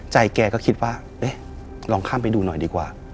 แกก็คิดว่าเอ๊ะลองข้ามไปดูหน่อยดีกว่า